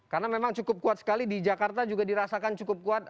karena memang cukup kuat sekali di jakarta juga dirasakan cukup kuat